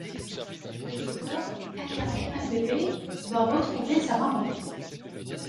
Le joueur, incarnant un bébé doit retrouver sa maman.